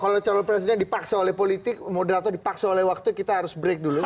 kalau calon presiden dipaksa oleh politik moderator dipaksa oleh waktu kita harus break dulu